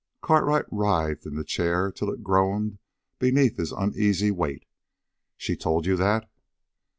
Cartwright writhed in the chair till it groaned beneath his uneasy weight. "She told you that?"